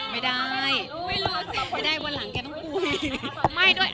ไม่ได้ไม่ได้วันหลังแกต้องคุย